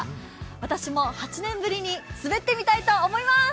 私も８年ぶりに滑ってみたいと思います。